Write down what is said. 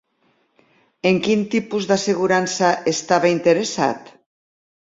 En quin tipus d'assegurança estava interessat?